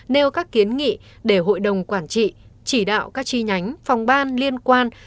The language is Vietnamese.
nêu các kiến nghị để hội đồng quản trị chỉ đạo các chi nhánh phòng ban liên quan